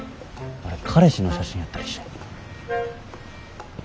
あれ彼氏の写真やったりして。